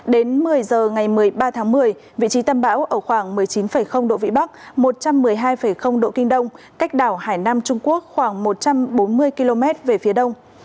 đến một mươi giờ ngày một mươi ba tháng một mươi vị trí tâm bão ở khoảng một mươi chín độ vĩ bắc một trăm một mươi hai độ kinh đông cách đảo hải nam trung quốc khoảng một trăm bốn mươi km về phía đông